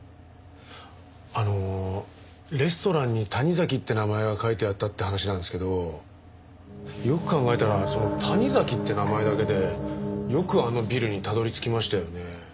あのレストランに「タニザキ」って名前が書いてあったって話なんですけどよく考えたらその「タニザキ」って名前だけでよくあのビルにたどり着きましたよね。